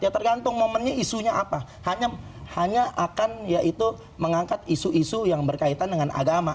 ya tergantung momennya isunya apa hanya akan yaitu mengangkat isu isu yang berkaitan dengan agama